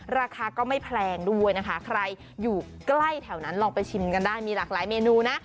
ราคาก็ไม่แพงด้วยนะคะใครอยู่ใกล้แถวนั้นลองไปชิมกันได้มีหลากหลายเมนูนะ